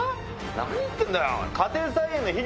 何言ってんだよ。